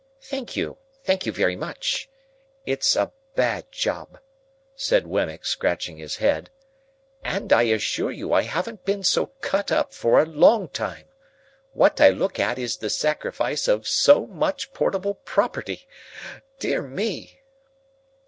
"Thank you, thank you very much. It's a bad job," said Wemmick, scratching his head, "and I assure you I haven't been so cut up for a long time. What I look at is the sacrifice of so much portable property. Dear me!"